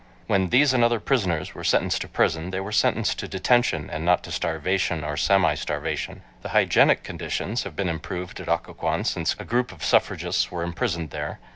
When these and other prisoners were sentenced to prison they were sentenced to detention and not to starvation or semi starvation. The hygienic conditions have been improved at Occoquan since a group of suffragists were imprisoned there.